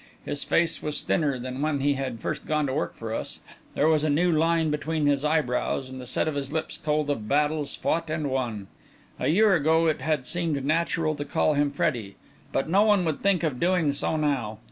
His face was thinner than when he had first gone to work for us, there was a new line between his eyebrows, and the set of his lips told of battles fought and won. A year ago, it had seemed natural to call him Freddie, but no one would think of doing so now.